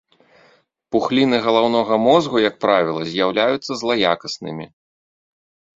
Пухліны галаўнога мозгу, як правіла, з'яўляюцца злаякаснымі.